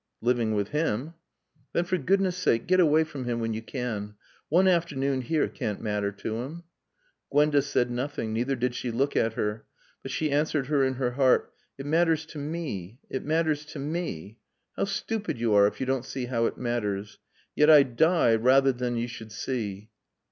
"Living with him." "Then for goodness sake get away from him when you can. One afternoon here can't matter to him." Gwenda said nothing, neither did she look at her. But she answered her in her heart. "It matters to me. It matters to me. How stupid you are if you don't see how it matters. Yet I'd die rather than you should see."